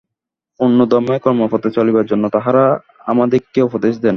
পূর্ণোদ্যমে কর্মপথে চলিবার জন্য তাঁহারা আমাদিগকে উপদেশ দেন।